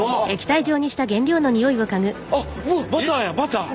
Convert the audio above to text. あっうわっバターやバター。